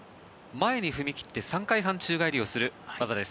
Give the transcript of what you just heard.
前に踏み切って３回半宙返りをする技です。